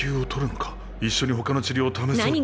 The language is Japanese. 一緒に他の治療を試そうって。